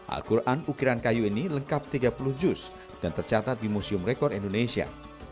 al quran ukiran kayu ini lengkap tiga puluh juz dan tercatat di museum rekor indonesia